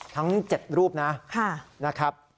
ทั้ง๗รูปนะฮะ